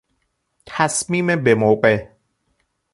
تصمیم بموقع